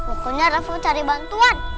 makanya rafa cari bantuan